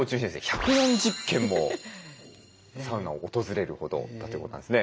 １４０軒もサウナを訪れるほどだということなんですね。